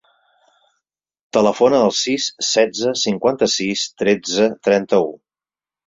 Telefona al sis, setze, cinquanta-sis, tretze, trenta-u.